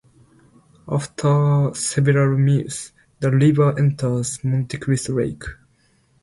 After several miles the river enters Monte Cristo Lake.